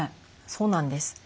そうなんです。